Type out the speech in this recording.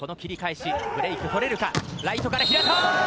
ライトから平田。